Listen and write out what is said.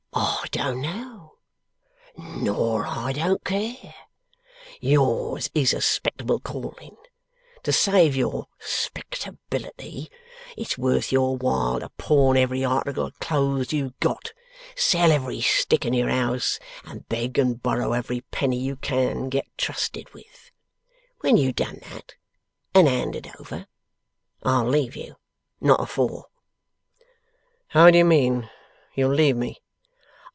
'I don't know, nor I don't care. Yours is a 'spectable calling. To save your 'spectability, it's worth your while to pawn every article of clothes you've got, sell every stick in your house, and beg and borrow every penny you can get trusted with. When you've done that and handed over, I'll leave you. Not afore.' 'How do you mean, you'll leave me?